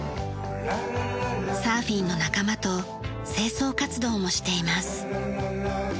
サーフィンの仲間と清掃活動もしています。